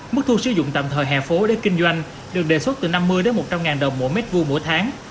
mức thu sử dụng tạm thời hè phố để kinh doanh được đề xuất từ năm mươi một trăm linh ngàn đồng mỗi mét vuông mỗi tháng